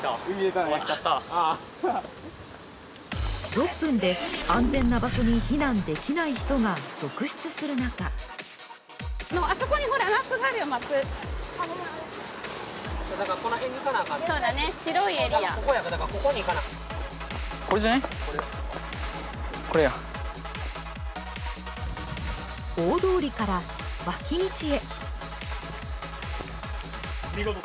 ６分で安全な場所に避難できない人が続出する中大通りから脇道へ。